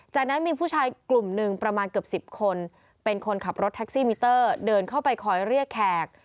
จากนั้นมีผู้ชายกลุ่มหนึ่งประมาณเกือบ๑๐คนเป็นคนขับรถแท็กซี่มิเตอร์เดินเข้าไปคอยเรียกแขก